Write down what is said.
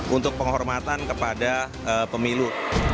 untuk penghormatan kepada pemilu